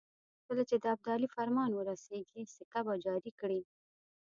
کله چې د ابدالي فرمان ورسېږي سکه به جاري کړي.